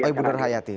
oh ibu nurhayati